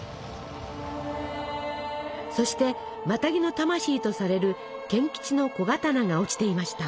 そしてマタギの魂とされる賢吉の小刀が落ちていました。